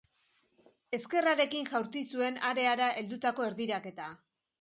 Ezkerrarekin jaurti zuen areara heldutako erdiraketa.